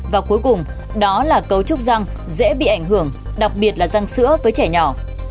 và cuối cùng đó là cấu trúc răng dễ bị ảnh hưởng đặc biệt là răng sữa với trẻ nhỏ